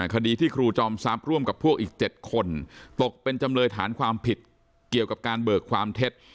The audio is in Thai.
คดีที่ครูจอมทรัพย์ร่วมกับพวกอีก๗คนตกเป็นจำเลยฐานความผิดเกี่ยวกับการเบิกความเท็จ